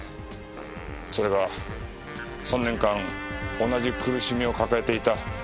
それが３年間同じ苦しみを抱えていた理絵さんだった。